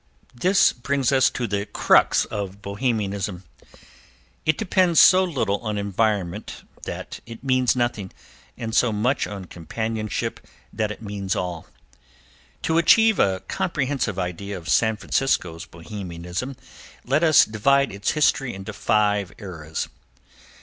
This brings us to the crux of Bohemianism. It depends so little on environment that it means nothing, and so much on companionship that it means all. To achieve a comprehensive idea of San Francisco's Bohemianism let us divide its history into five eras.